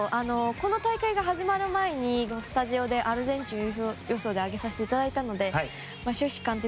この大会が始まる前にスタジオでアルゼンチン優勝予想で挙げさせていただいたので初志貫徹。